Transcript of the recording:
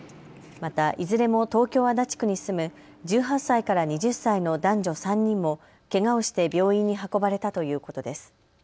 また、いずれも東京足立区に住む１８歳から２０歳の男女３人もけがをして病院に運ばれたということです。